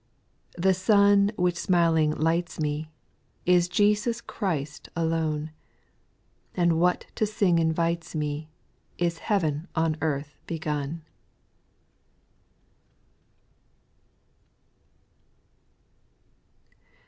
The sun which smiling lights me, Is Jesus Christ alone ; And what to sing invites me, Is heaven on earth begun.